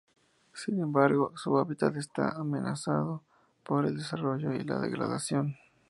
Sin embargo, su hábitat está amenazado por el desarrollo y la degradación.